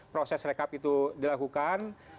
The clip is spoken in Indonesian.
proses rekap itu dilakukan